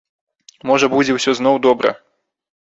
Можа, будзе ўсё зноў добра.